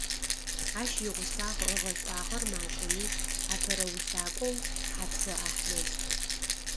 Ащ игъусагъ, ыгъэшӏагъэр макӏэми апэрэ усакӏоу Хьаткъо Ахьмэд.